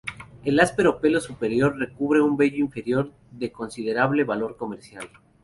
El áspero pelo superior recubre un vello inferior de considerable valor comercial.